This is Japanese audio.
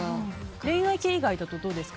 恋愛系以外だとどうですか？